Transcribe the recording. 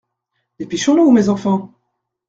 Dépêchons-nous, mes enfants !